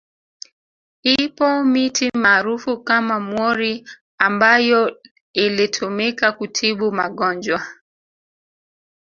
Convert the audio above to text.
Ipo miti maarufu kama mwori ambayo ilitumika kutibu magonjwa